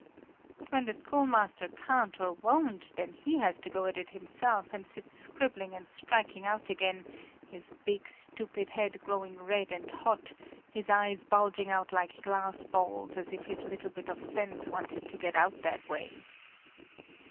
But when the schoolmaster can't or won't, then he has to go at it himself and sits scribbling and striking out again, his big stupid head growing red and hot, his eyes bulging out like glass balls, as if his little bit of sense wanted to get out that way."